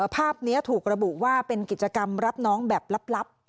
ภาพนี้ถูกระบุว่าเป็นกิจกรรมรับน้องแบบลับ